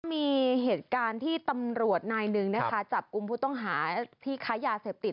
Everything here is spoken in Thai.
มีเหตุการณ์ที่ตำรวจนายหนึ่งนะคะจับกุมผู้ต้องหาที่ค้ายาเสพติด